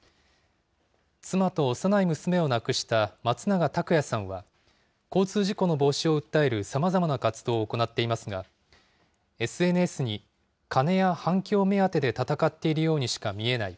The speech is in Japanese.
妻と幼い娘を亡くした松永拓也さんは、交通事故の防止を訴えるさまざまな活動を行っていますが、ＳＮＳに、金や反響目当てで闘っているようにしか見えない。